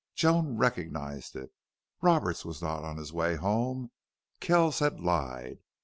Joan recognized it. Roberts was not on his way home. Kells had lied.